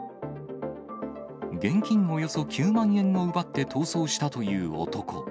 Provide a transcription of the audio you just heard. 現金およそ９万円を奪って逃走したという男。